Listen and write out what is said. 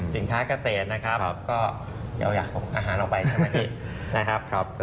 สินค้าเกษตรนะครับก็อยากส่งอาหารออกไปใช่ไหมพี่